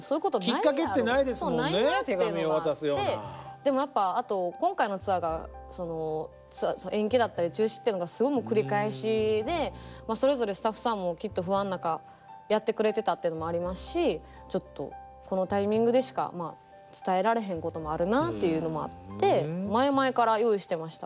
でもやっぱあと今回のツアーが延期だったり中止っていうのがすごい繰り返しでまあそれぞれスタッフさんもきっと不安の中やってくれてたというのもありますしちょっとこのタイミングでしか伝えられへんこともあるなっていうのもあって前々から用意してました。